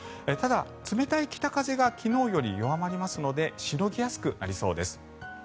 ただ冷たい北風が昨日より弱まりますのでしのぎやすくなりそうです。